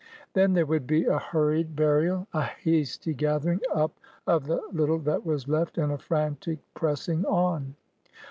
Then there would be a hurried 294 ORDER NO. 11 burial, a hasty gathering up of the little that was left, and a frantic pressing on.